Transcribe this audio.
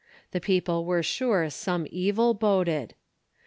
The people were sure some evil boded.